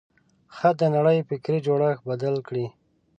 خط د نړۍ فکري جوړښت بدل کړ.